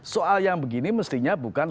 soal yang begini mestinya bukan